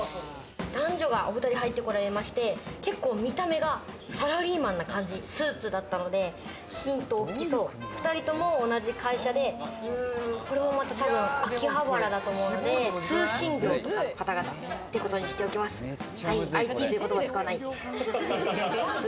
男女がお２人入ってこられまして、結構見た目がサラリーマンな感じ、スーツだったので、２人とも同じ会社で秋葉原だと思うので、通信業の方々ってことにしておきます。ＩＴという言葉は使わない。